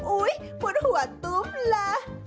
อุ๊ยพูดหัวตุ๊บละ